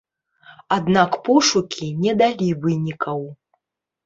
Аднак пошукі не далі вынікаў.